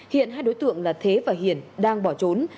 hiện hai đối tượng là thế và hiển đang bỏ trốn